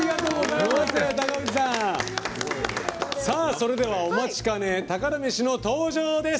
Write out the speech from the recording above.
それではお待ちかね宝メシの登場です！